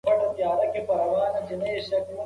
د دغي ودانۍ خلک ټول غواړي چي نوې ژبې زده کړي.